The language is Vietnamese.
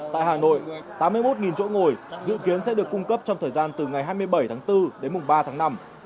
tại hà nội tám mươi một chỗ ngồi dự kiến sẽ được cung cấp trong thời gian từ ngày hai mươi bảy tháng bốn đến mùng ba tháng năm